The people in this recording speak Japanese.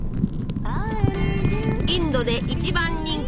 インドで一番人気！